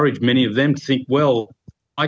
saya juga bisa berpikir